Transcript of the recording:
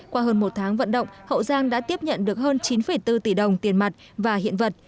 qua hơn một tháng vận động hậu giang đã tiếp nhận được hơn chín bốn tỷ đồng tiền mặt và hiện vật